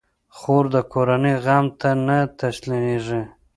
خور د کورنۍ غم ته نه تسلېږي.